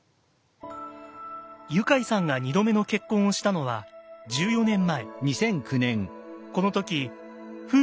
ユカイさんが２度目の結婚をしたのは１４年前。